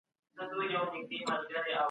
د جرګي په فضا کي به د عدالت ږغ پورته کيده.